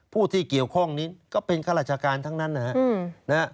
ผู้ที่เกี่ยวข้องนี้ก็เป็นข้าราชการทั้งนั้นนะครับ